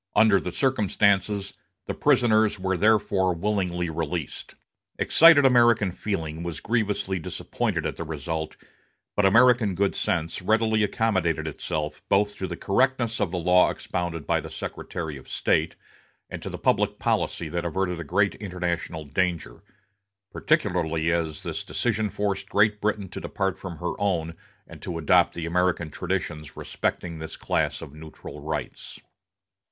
Under the circumstances, the prisoners were therefore willingly released. Excited American feeling was grievously disappointed at the result; but American good sense readily accommodated itself both to the correctness of the law expounded by the Secretary of State, and to the public policy that averted a great international danger; particularly as this decision forced Great Britain to depart from her own and to adopt the American traditions respecting this class of neutral rights.